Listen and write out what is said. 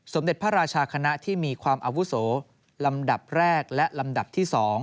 เด็จพระราชาคณะที่มีความอาวุโสลำดับแรกและลำดับที่๒